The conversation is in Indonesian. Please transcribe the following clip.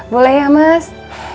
boleh ya mas